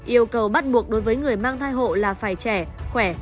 yêu cầu bắt buộc đối với người mang thai hộ là phải trẻ khỏe